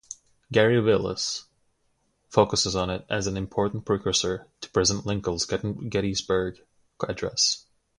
Garry Wills focuses on it as an important precursor to President Lincoln's Gettysburg Address.